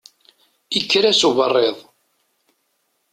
Ikker-as uberriḍ.